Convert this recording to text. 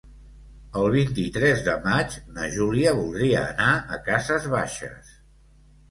El vint-i-tres de maig na Júlia voldria anar a Cases Baixes.